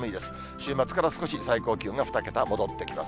週末から少し最高気温が２桁、戻ってきます。